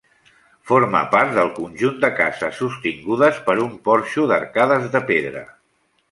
Forma part del conjunt de cases sostingudes per un porxo d'arcades de pedra.